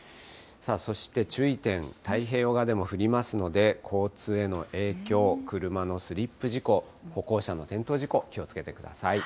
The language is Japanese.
そして注意点、太平洋側でも降りますので、交通への影響、車のスリップ事故、歩行者の転倒事故、気をつけてください。